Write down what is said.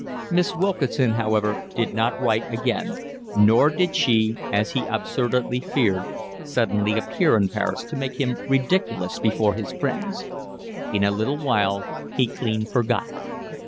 Miss Wilkinson, however, did not write again; nor did she, as he absurdly feared, suddenly appear in Paris to make him ridiculous before his friends. In a little while he clean forgot her.